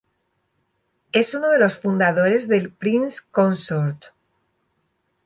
Es uno de los fundadores del "Prince Consort".